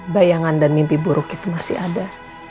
bayangan dan mimpi buruk itu masih ada